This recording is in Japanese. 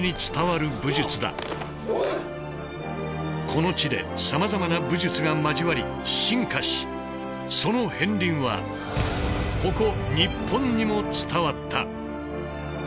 この地でさまざまな武術が交わり進化しその片りんはここ日本にも伝わった。